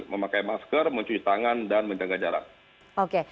memakai masker mencuci tangan dan menjaga jarak